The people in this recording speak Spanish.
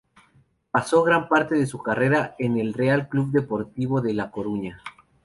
Pasó gran parte de su carrera en el Real Club Deportivo de la Coruña.